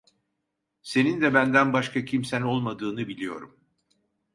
Senin de benden başka kimsen olmadığını biliyorum.